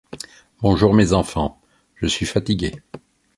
Bonjour, mes enfants ; je suis fatiguée.